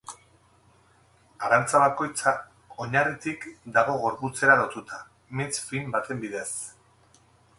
Arantza bakoitza oinarritik dago gorputzera lotuta, mintz fin baten bidez.